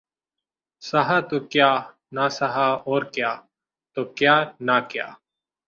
سہا تو کیا نہ سہا اور کیا تو کیا نہ کیا